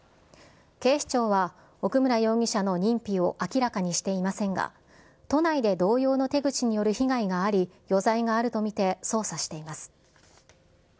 警視庁は奥村容疑者の認否を明らかにしていませんが、都内で同様の手口による被害があり、余罪があるとみて捜査しています。